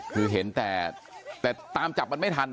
คือเห็นแต่ตามจับมันไม่ทัน